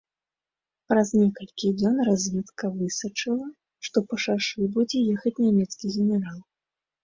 Праз некалькі дзён разведка высачыла, што па шашы будзе ехаць нямецкі генерал.